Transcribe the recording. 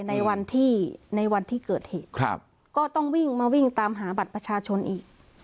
ในวันที่ในวันที่เกิดเหตุครับก็ต้องวิ่งมาวิ่งตามหาบัตรประชาชนอีก